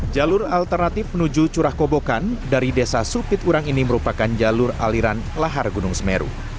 jalur alternatif menuju curah kobokan dari desa supiturang ini merupakan jalur aliran lahar gunung semeru